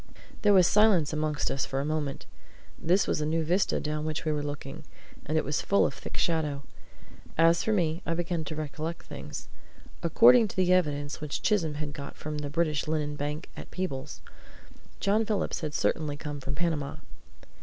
There was silence amongst us for a moment. This was a new vista down which we were looking, and it was full of thick shadow. As for me, I began to recollect things. According to the evidence which Chisholm had got from the British Linen Bank at Peebles, John Phillips had certainly come from Panama.